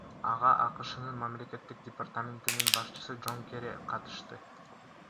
Ага АКШнын Мамлекеттик департаментинин башчысы Жон Керри катышты.